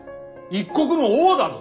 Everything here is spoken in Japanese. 一国の王だぞ？